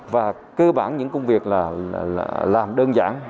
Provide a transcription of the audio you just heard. và cơ bản những công việc là làm đơn giản